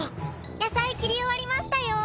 野菜切り終わりましたよ。